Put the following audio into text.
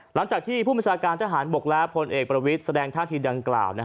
หลังจากที่ผู้บัญชาการทหารบกและพลเอกประวิทย์แสดงท่าทีดังกล่าว